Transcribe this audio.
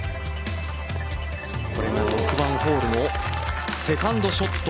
これが６番ホールのセカンドショット。